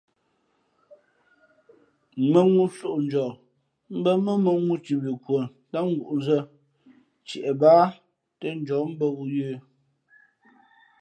Mᾱŋū soʼnjαά mbᾱ mά mᾱŋū nthimbhi kwα̌ ntám ngǔʼnzᾱ ntiep báá tά njαᾱ mbᾱ wū yə̌.